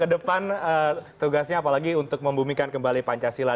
kedepan tugasnya apalagi untuk membumikan kembali pancasila